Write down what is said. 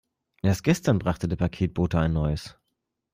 Erst gestern brachte der Paketbote ein neues.